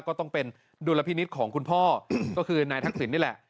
ก็ต้องเป็นดุลพินิษฐ์ของคุณพ่อก็คือนายทักษิณนี่แหละ